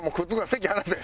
席離せ。